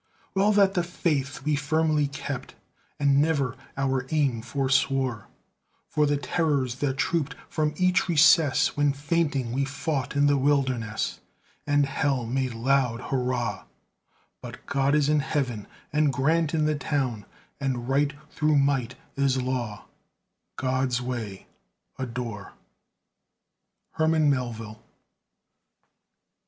Well that the faith we firmly kept, And never our aim forswore For the Terrors that trooped from each recess When fainting we fought in the Wilderness, And Hell made loud hurrah; But God is in Heaven, and Grant in the Town, And Right through Might is Law God's way adore. HERMAN MELVILLE.